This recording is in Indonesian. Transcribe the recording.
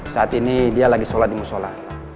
saat ini dia lagi sholat di musola